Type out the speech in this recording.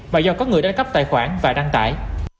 mà do có người đăng cấp tài khoản và đăng tải